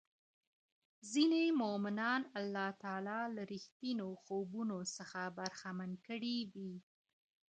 ځيني مؤمنان الله تعالی له رښتينو خوبونو څخه برخمن کړي وي.